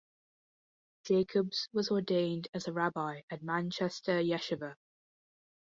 Jacobs was ordained as a rabbi at Manchester Yeshivah.